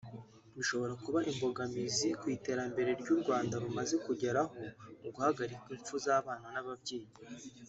bishobora kuba imbogamizi ku iterambere u Rwanda rumaze kugeraho mu guhagarika imfu z’abana n’ababyeyi